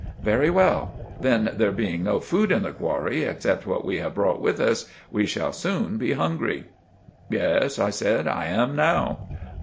"Very well. Then, there being no food in the qwarry except what we have brort with us, we shall soon be hungry." "Yes," I said. "I am now."